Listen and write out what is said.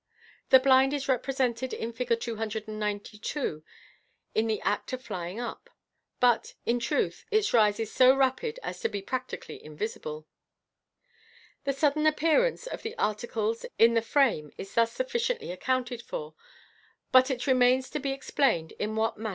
The blind is represented in Fig. 292 in the act of flying up, but, in truth, its rise is so rapid as to be practically invisible. The sudden appearance of the articles in the frame is thus suffici ently accounted for, but it remains to be explained in what manner Fig. 293. Fig.